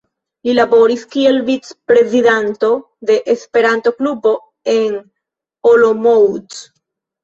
Li laboris kiel vicprezidanto de Esperanto-klubo en Olomouc.